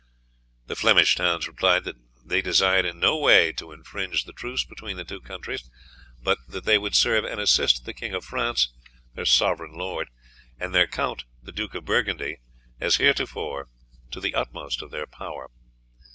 The Flemish towns replied that they desired in no way to infringe the truce between the two countries, but that they would serve and assist the King of France, their sovereign lord, and their Count the Duke of Burgundy, as heretofore, to the utmost of their power.